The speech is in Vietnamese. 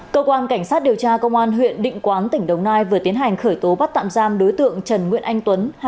cơ quan cảnh sát điều tra công an huyện định quán tỉnh đồng nai vừa tiến hành khởi tố bắt tạm giam đối tượng trần nguyễn anh tuấn